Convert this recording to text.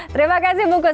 terima kasih bungkus